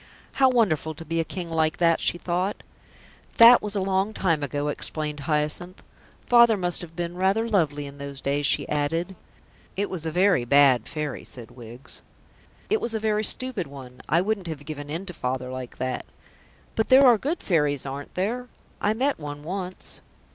"How wonderful to be a King like that!" she thought. "That was a long time ago," explained Hyacinth. "Father must have been rather lovely in those days," she added. "It was a very bad Fairy," said Wiggs. "It was a very stupid one. I wouldn't have given in to Father like that." "But there are good Fairies, aren't there? I met one once."